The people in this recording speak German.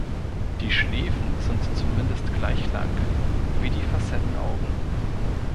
Die Schläfen sind zumindest gleich lang, wie die Facettenaugen.